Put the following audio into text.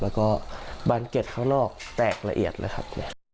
แล้วก็บานเก็ตข้างนอกแตกละเอียดเลยครับ